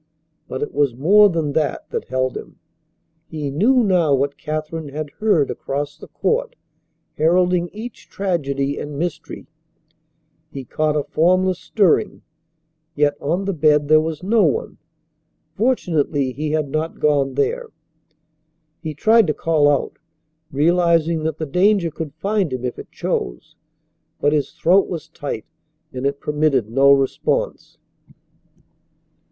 But it was more than that that held him. He knew now what Katherine had heard across the court, heralding each tragedy and mystery. He caught a formless stirring. Yet on the bed there was no one. Fortunately he had not gone there. He tried to call out, realizing that the danger could find him if it chose, but his throat was tight and it permitted no response.